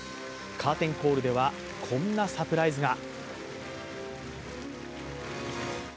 カーテンコールではこんなサプライズが。